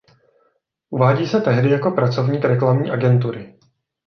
Uvádí se tehdy jako pracovník reklamní agentury.